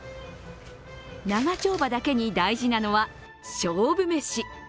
長丁場だけに大事なのは勝負めし。